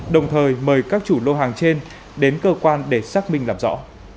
đồng thời mời các chủ lô hàng trên đến cơ quan để xác minh làm rõ